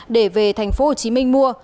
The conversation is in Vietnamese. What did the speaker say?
để về tp hcm mua